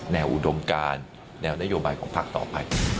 อุดมการแนวนโยบายของพักต่อไป